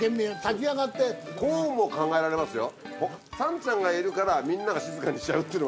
こうも考えられますよ。